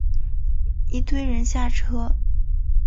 一堆人下车